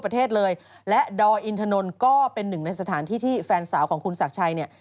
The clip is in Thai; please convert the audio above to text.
เรื่องก็มีอยู่ว่าคุณศักดิ์ชายกับแฟนสาวเนี่ย